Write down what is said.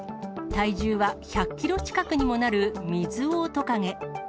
体重は１００キロ近くにもなるミズオオトカゲ。